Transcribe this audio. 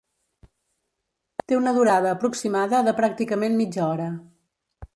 Té una durada aproximada de pràcticament mitja hora.